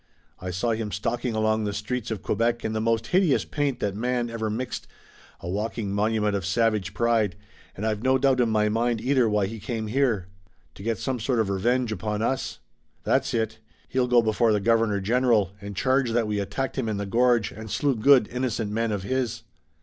I saw him stalking along the streets of Quebec in the most hideous paint that man ever mixed, a walking monument of savage pride, and I've no doubt in my mind either why he came here." "To get some sort of revenge upon us." "That's it. He'll go before the Governor General, and charge that we attacked him in the gorge and slew good, innocent men of his."